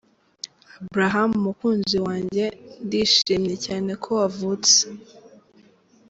Abraham mukunzi wanjye ndishimye cyane ko wavutse.